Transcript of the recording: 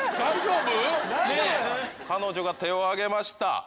彼女が手を挙げました。